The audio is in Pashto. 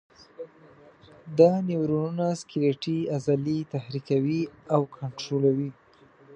دا نیورونونه سکلیټي عضلې تحریکوي او کنټرولوي.